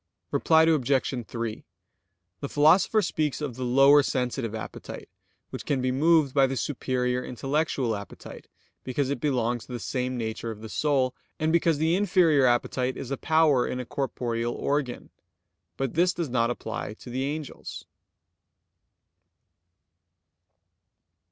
Reply Obj. 3: The Philosopher speaks of the lower sensitive appetite which can be moved by the superior intellectual appetite, because it belongs to the same nature of the soul, and because the inferior appetite is a power in a corporeal organ. But this does not apply to the angels.